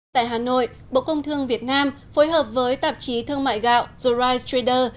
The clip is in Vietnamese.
tại hà nội bộ công thương việt nam phối hợp với tạp chí thương mại gạo the rice trader